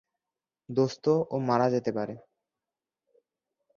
দোস্ত, ও মারা যেতে পারে।